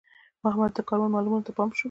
محمد د کاروان مالونو ته پاتې شو.